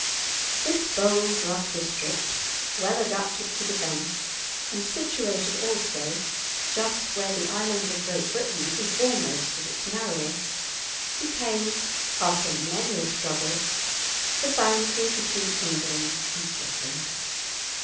This bold, rough district, well adapted to defence, and situated also just where the island of Great Britain is almost at its narrowest, became, after many a struggle, the boundary between England and Scotland.